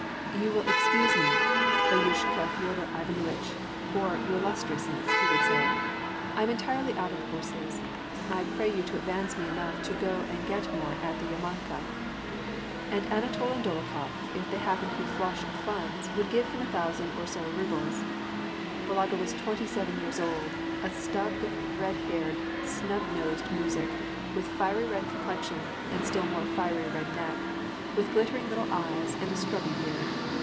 "You will excuse me, batyushka Feodor Ivanuitch," or "your Illustriousness," he would say, "I am entirely out of horses ; I pray you to advance me enough to go to get more at the Yarmanka."* And Anatol and Dolokhof, if they happened to be flush of funds, would give him a thousand or so of rubles. Balaga was twenty seven years old, a stubbed, red haired, snub nosed muzhik, with fiery red complexion, and still more fiery red neck, with glittering little eyes, and a scrubby beard.